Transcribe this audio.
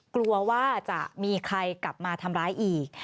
กลัวว่าจะมีใครกลับมาทำร้ายอีก